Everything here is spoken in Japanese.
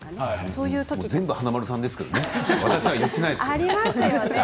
全部華丸さんですよね